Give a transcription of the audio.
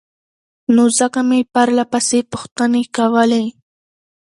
نو ځکه مې پرلهپسې پوښتنې کولې